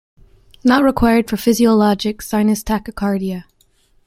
Not required for physiologic sinus tachycardia.